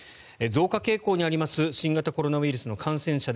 増加傾向にあります新型コロナウイルスの感染者。